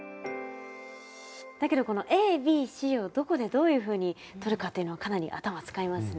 だけどこのＡＢＣをどこでどういうふうにとるかっていうのはかなり頭使いますね。